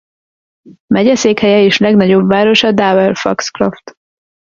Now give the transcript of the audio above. Megyeszékhelye és legnagyobb városa Dover-Foxcroft.